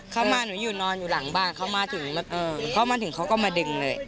เค้ามาหนูนอนอยู่หลังบ้านเค้ามาถึงเค้าก็มาดึงเลย